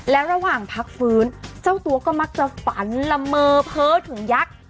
และระหว่างพักฟื้นเจ้าตัวก็มักจะฝันละเมอเพ้อถึงยักษ์